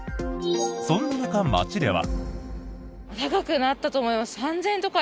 そんな中、街では。